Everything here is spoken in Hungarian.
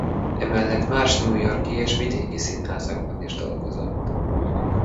Emellett más New York-i és vidéki színházakban is dolgozott.